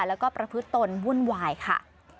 แล้วก็ประพฤติตนวุ่นวายค่ะ